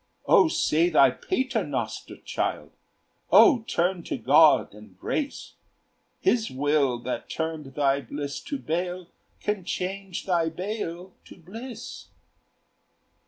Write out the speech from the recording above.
"O say thy paternoster, child! O turn to God and grace! His will, that turned thy bliss to bale, Can change thy bale to bliss."